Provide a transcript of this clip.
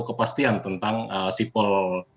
kepastian tentang sipol